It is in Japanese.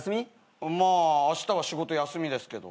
まああしたは仕事休みですけど。